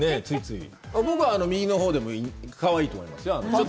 僕は右のほうでもかわいいと思いますよ。